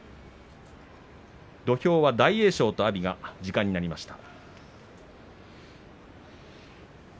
土俵は大栄翔と阿炎が時間になりました。